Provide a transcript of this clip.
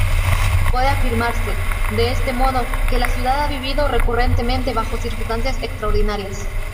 Puede afirmarse, de este modo, que la ciudad ha vivido recurrentemente bajo circunstancias extraordinarias.